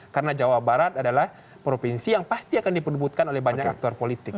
karena jawa barat adalah provinsi yang pasti akan dipenuhi oleh banyak aktor politik